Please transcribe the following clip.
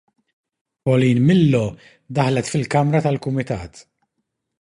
Pauline Millo daħlet fil-Kamra tal-Kumitat.